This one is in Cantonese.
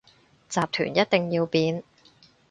集團一定要變